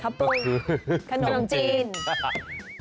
ก็คือขนมจีนฮะฮะขับปลง